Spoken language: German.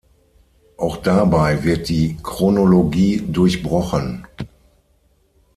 Auch dabei wird die Chronologie durchbrochen.